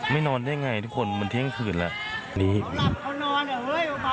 ไม่นอนได้ไงทุกคนมันเที่ยงคืนแล้ว